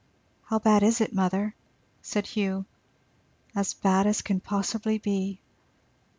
"How bad is it, mother?" said Hugh. "As bad as can possibly be."